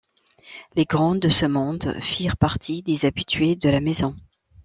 Les grands de ce monde firent partie des habitués de la maison.